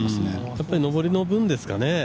やはり上りの分ですかね。